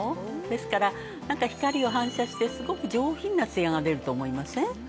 ですからなんか光を反射してすごく上品なツヤが出ると思いません？